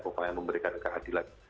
memperoleh memberikan keadilan